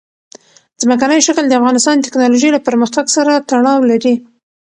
ځمکنی شکل د افغانستان د تکنالوژۍ له پرمختګ سره تړاو لري.